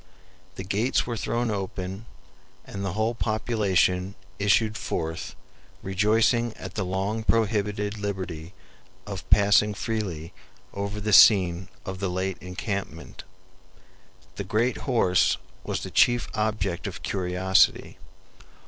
The gates were thrown open, and the whole population issued forth rejoicing at the long prohibited liberty of passing freely over the scene of the late encampment. The great HORSE was the chief object of curiosity.